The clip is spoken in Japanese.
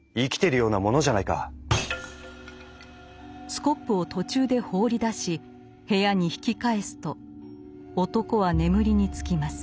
スコップを途中で放り出し部屋に引き返すと男は眠りにつきます。